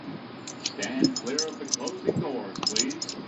黄色素细胞将沿脊椎和四肢上端排列。